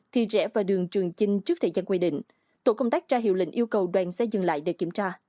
thì rẽ vào đường trường chinh trước thời gian quy định tổ công tác ra hiệu lệnh yêu cầu đoàn xe dừng lại để kiểm tra